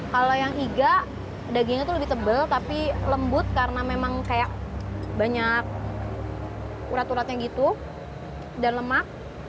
kalau yang iga dagingnya itu lebih tebal tapi lembut karena memang kayak banyak urat uratnya gitu dan lemak